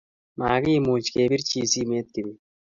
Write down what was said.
Magemuchi kebirchi simet kibet